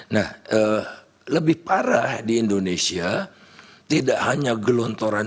nah lebih parah di indonesia tidak hanya gelontoran